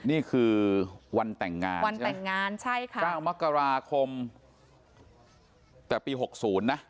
นี่คือวันแต่งงาน๙มกราคมปี๖๐นะ